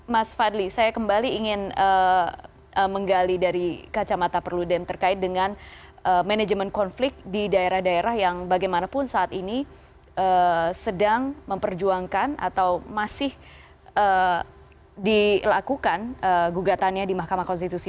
mas fadli saya kembali ingin menggali dari kacamata perludem terkait dengan manajemen konflik di daerah daerah yang bagaimanapun saat ini sedang memperjuangkan atau masih dilakukan gugatannya di mahkamah konstitusi